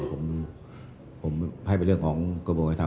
ผมให้เป็นเรื่องของกระบวนการยุธิธรรม